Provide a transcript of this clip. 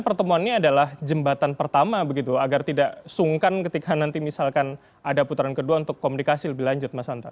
pertemuan ini adalah jembatan pertama begitu agar tidak sungkan ketika nanti misalkan ada putaran kedua untuk komunikasi lebih lanjut mas anta